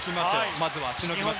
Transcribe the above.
まずはしのぎました。